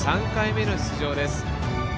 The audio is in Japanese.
３回目の出場です。